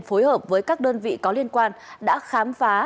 phối hợp với các đơn vị có liên quan đã khám phá